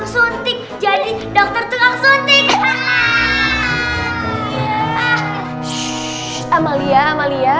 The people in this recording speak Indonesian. shhh amalia amalia